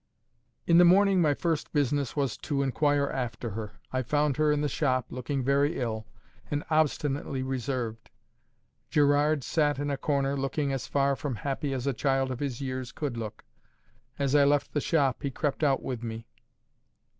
In the morning my first business was to inquire after her. I found her in the shop, looking very ill, and obstinately reserved. Gerard sat in a corner, looking as far from happy as a child of his years could look. As I left the shop he crept out with me.